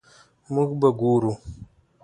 مونږ به ګورو